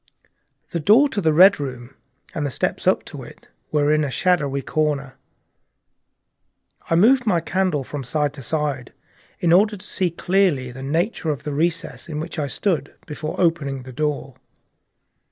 The door of the Red Room and the steps up to it were in a shadowy corner. I moved my candle from side to side in order to see clearly the nature of the recess in which I stood, before opening the door.